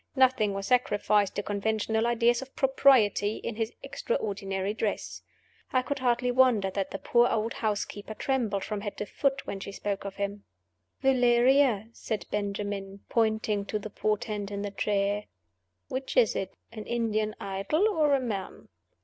Nothing was sacrificed to conventional ideas of propriety in his extraordinary dress. I could hardly wonder that the poor old housekeeper trembled from head to foot when she spoke of him. "Valeria," said Benjamin, pointing to the Portent in the chair. "Which is it an Indian idol, or a man?"